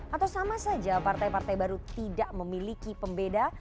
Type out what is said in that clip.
atau sama saja partai partai baru tidak memiliki pembeda